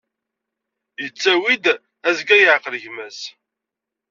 Yettawi-d: azger yeɛqel gma-s.